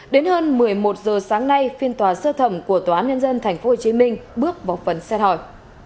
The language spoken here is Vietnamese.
đến hơn một mươi một giờ sáng nay phiên tòa sơ thẩm của tòa án nhân dân tp hcm bước vào phần xét hỏi